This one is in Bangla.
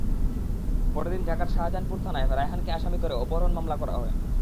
পরের দিন ঢাকার শাহজাহানপুর থানায় রায়হানকে আসামি করে অপহরণ মামলা করা হয়।